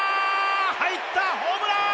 入ったホームラーン！